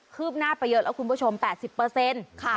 คืบหน้าเป็นเยอะแล้ว๘๐เปอร์เซ็นต์